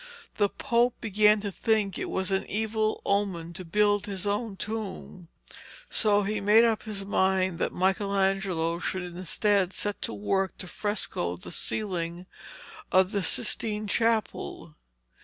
The Pope began to think it was an evil omen to build his own tomb, so he made up his mind that Michelangelo should instead set to work to fresco the ceiling of the Sistine Chapel.